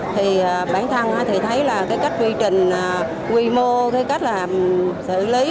thì bản thân thấy là cách quy trình quy mô cách làm xử lý